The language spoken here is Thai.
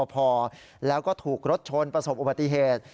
มันเป็นคนประสบอุบัติเหตุ